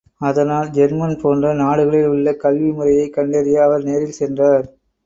அதனால், ஜெர்மன் போன்ற நாடுகளில் உள்ள கல்வி முறையைக் கண்டறிய அவர் நேரில் சென்றார்.